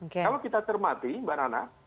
kalau kita cermati mbak nana